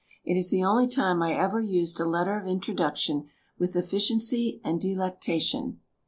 It is the only time I ever used a letter of introduction with efficiency and delectation.